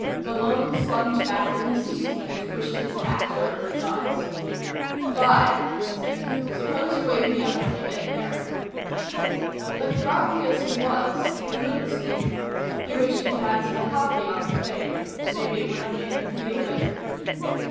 Malone slumped back in the seat and pushed his hat over his eyes. "Fine," he said. "Suppose you wake me up when we get there." But, groggy as he was, he couldn't sleep. He wished he'd had some coffee on the plane. Maybe it would have made him feel better.